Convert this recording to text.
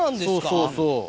そうそうそう。